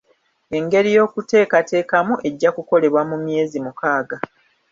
Engeri y'okuteekateekamu ejja kukolebwa mu myezi mukaaga.